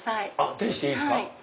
手にしていいですか。